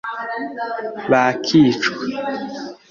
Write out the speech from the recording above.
bakicwa